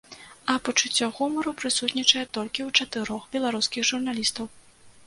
А пачуццё гумару прысутнічае толькі ў чатырох беларускіх журналістаў.